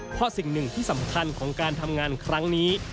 เพราะสิ่งหนึ่งที่สำคัญของการทำงานครั้งนี้